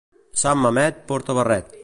Sant Mamet porta barret.